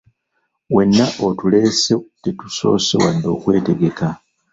Wenna otuleese tetusoose wadde okwetegeka.